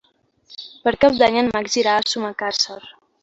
Per Cap d'Any en Max irà a Sumacàrcer.